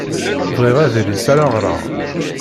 Bɣiɣ adlis ara ɣreɣ.